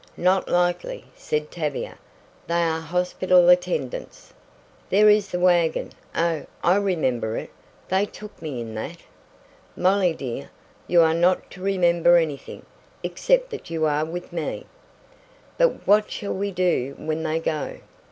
"Not likely," said Tavia. "They are hospital attendants." "There is the wagon! Oh, I remember it! They took me in that!" "Molly, dear! You are not to remember anything except that you are with me!" "But what shall we do when they go?